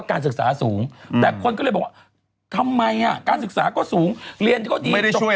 การศึกษาก็สูงเรียนก็ดีจบแบบนี้อันดับหนึ่ง